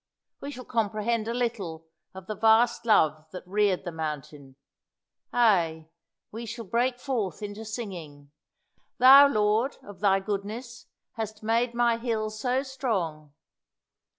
We shall comprehend a little of the vast Love that reared the mountain; ay, we shall break forth into singing, "Thou, Lord, of Thy goodness, hast made my hill so strong!"